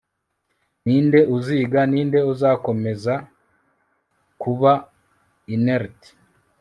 ninde uziga ninde uzakomeza kuba inert